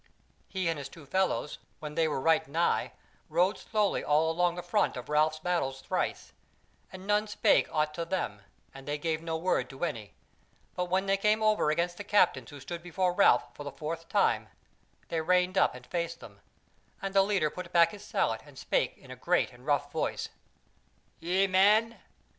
He and his two fellows, when they were right nigh, rode slowly all along the front of Ralph's battles thrice, and none spake aught to them, and they gave no word to any; but when they came over against the captains who stood before Ralph for the fourth time, they reined up and faced them, and the leader put back his sallet and spake in a great and rough voice: "Ye men!